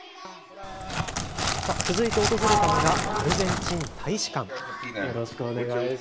続いて訪れたのがアルゼンチン大使館。